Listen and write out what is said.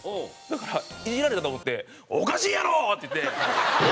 だからイジられたと思って「おかしいやろ！」って言って。